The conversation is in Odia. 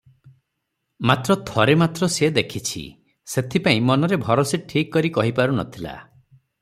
ମାତ୍ର ଥରେ ମାତ୍ର ସେ ଦେଖିଚି, ସେଥିପାଇଁ ମନରେ ଭରସି ଠିକ୍ କରି ପାରୁ ନ ଥିଲା ।